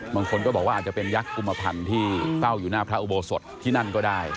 บางคนก็บอกว่าอาจจะเป็นยักษ์กุมพันธ์ที่เฝ้าอยู่หน้าพระอุโบสถที่นั่นก็ได้